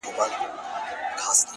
روغ زړه درواخله خدایه بیا یې کباب راکه’